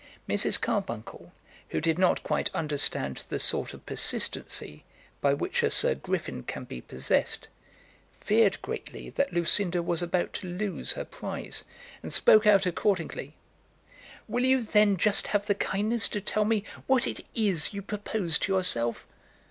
Mrs. Carbuncle, who did not quite understand the sort of persistency by which a Sir Griffin can be possessed, feared greatly that Lucinda was about to lose her prize, and spoke out accordingly. "Will you, then, just have the kindness to tell me what it is you propose to yourself?"